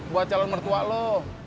buah calon mertua lo